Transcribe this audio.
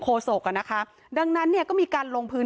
ชุมชนแฟลต๓๐๐๐๐คนพบเชื้อ๓๐๐๐๐คนพบเชื้อ๓๐๐๐๐คน